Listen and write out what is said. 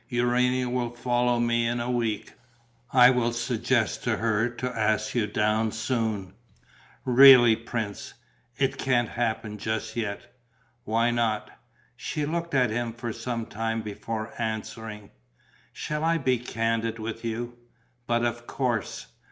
Urania will follow me in a week. I will suggest to her to ask you down soon." "Really, prince ... it can't happen just yet." "Why not?" She looked at him for some time before answering: "Shall I be candid with you?" "But of course!"